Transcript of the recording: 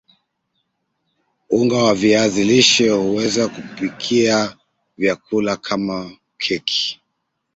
unga wa viazi lishe huweza kupikia vyakula kama keki